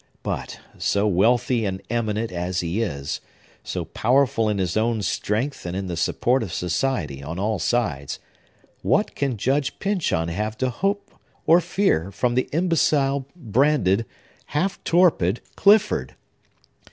But, so wealthy and eminent as he is,—so powerful in his own strength, and in the support of society on all sides,—what can Judge Pyncheon have to hope or fear from the imbecile, branded, half torpid Clifford?"